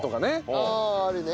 あああるね。